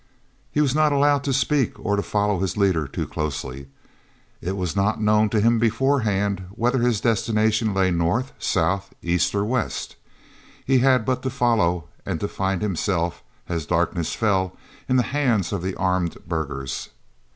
He was not allowed to speak to or follow his leader too closely. It was not known to him beforehand whether his destination lay north, south, east, or west. He had but to follow and to find himself, as darkness fell, in the hands of the armed burghers.